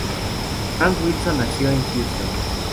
Frank Wilson nació en Houston.